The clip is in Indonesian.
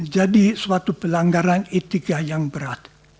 jadi suatu pelanggaran etika yang berat